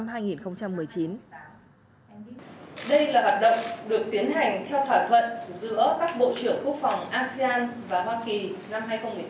đây là hoạt động được tiến hành theo thỏa thuận giữa các bộ trưởng quốc phòng asean và hoa kỳ năm hai nghìn một mươi sáu